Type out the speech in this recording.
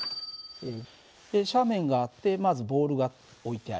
斜面があってまずボールが置いてあります。